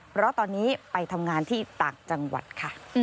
เพราะตอนนี้ไปทำงานที่ต่างจังหวัดค่ะ